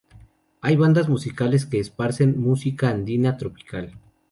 Hay bandas musicales que esparcen música andina, tropical.